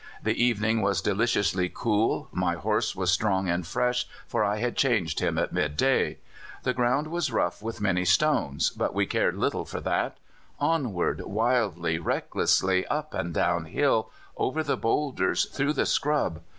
The evening was deliciously cool. My horse was strong and fresh, for I had changed him at midday. The ground was rough with many stones, but we cared little for that onward, wildly, recklessly, up and down hill, over the boulders, through the scrub.